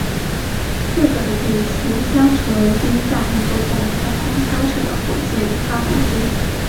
这个的引擎将成为第一架能够在太空发射的火箭发动机。